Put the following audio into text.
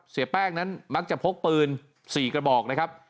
เสียแป้งนั้นมักจะพกปืน๔กระบอกนะครับ